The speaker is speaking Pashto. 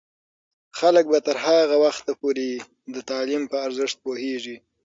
خلک به تر هغه وخته پورې د تعلیم په ارزښت پوهیږي.